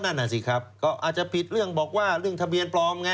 นั่นน่ะสิครับก็อาจจะผิดเรื่องบอกว่าเรื่องทะเบียนปลอมไง